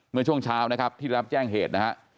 เมื่อช่วงเช้าพี่รับแจ้งเหตุนะครับ